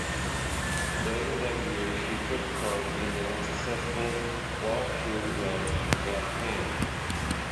Later that year she took part in the unsuccessful Walcheren Campaign.